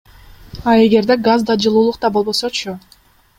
А эгерде газ да, жылуулук да болбосочу?